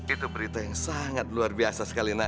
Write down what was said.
itu berita yang sangat luar biasa sekali